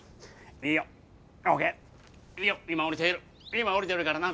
今降りてるからな。